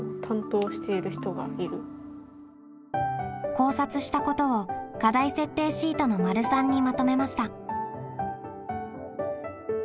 考察したことを課題設定シートの③にまとめました。